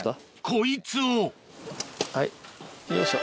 こいつをはいよいしょ。